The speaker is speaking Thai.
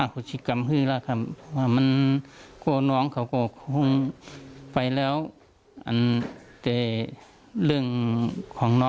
กวดแล้วไม่อยากอะไรเป็น